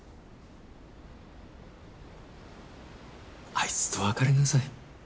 あいつと別れなさい。